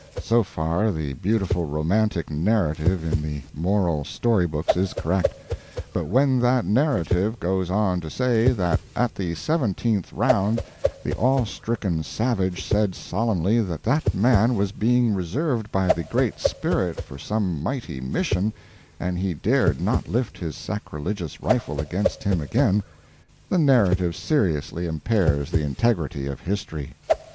So far the beautiful romantic narrative in the moral story books is correct; but when that narrative goes on to say that at the seventeenth round the awe stricken savage said solemnly that that man was being reserved by the Great Spirit for some mighty mission, and he dared not lift his sacrilegious rifle against him again, the narrative seriously impairs the integrity of history.